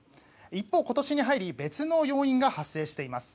一方、今年に入り別の要因が発生しています。